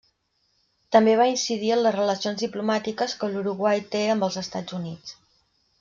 També va incidir en les relacions diplomàtiques que l'Uruguai té amb els Estats Units.